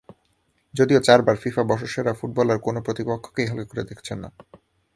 যদিও চারবারের ফিফা বর্ষসেরা ফুটবলার কোনো প্রতিপক্ষকেই হালকা করে দেখছেন না।